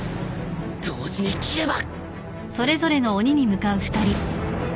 同時に斬れば！